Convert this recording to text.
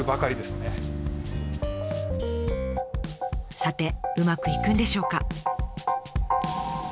さてうまくいくんでしょうか？